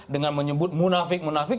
dengan menyebut munafik munafik